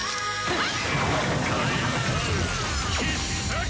えっ？